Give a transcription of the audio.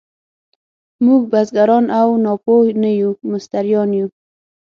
موږ بزګران او ناپوه نه یو، مستریان یو.